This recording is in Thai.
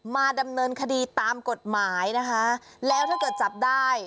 มาดำเนินคดีตามกฎหมายนะคะแล้วถ้าเกิดจับได้